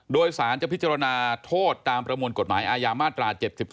โดยสารจะพิจารณาโทษตามประมวลกฎหมายอาญามาตรา๗๒